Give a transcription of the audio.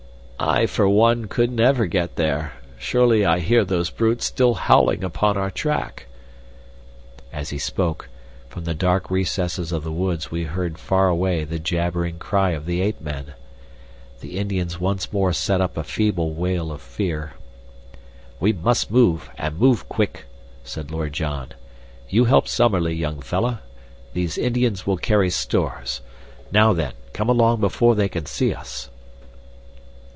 "I, for one, could never get there. Surely I hear those brutes still howling upon our track." As he spoke, from the dark recesses of the woods we heard far away the jabbering cry of the ape men. The Indians once more set up a feeble wail of fear. "We must move, and move quick!" said Lord John. "You help Summerlee, young fellah. These Indians will carry stores. Now, then, come along before they can see us."